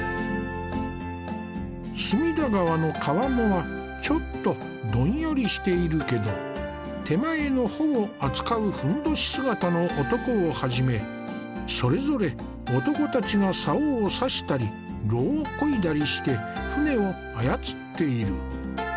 隅田川の川面はちょっとどんよりしているけど手前の帆を扱うふんどし姿の男をはじめそれぞれ男たちが棹を差したり櫓をこいだりして舟を操っている。